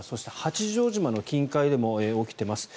八丈島の近海でも起きています。